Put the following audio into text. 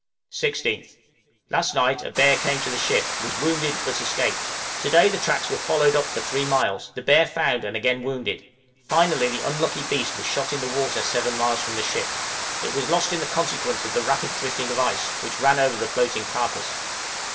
16th. Last night a bear came to the ship, was wounded, but escaped; to day the tracks were followed up for three miles, the bear found, and again wounded finally the unlucky beast was shot in the water seven miles from the ship; it was lost in consequence of the rapid drifting of the ice, which ran over the floating carcase.